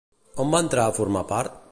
On va entrar a formar part?